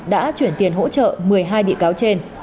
đã chuyển tiền hỗ trợ một mươi hai bị cáo trên